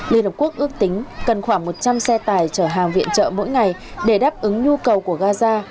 liên hợp quốc ước tính cần khoảng một trăm linh xe tài trở hàng viện trợ mỗi ngày để đáp ứng nhu cầu của gaza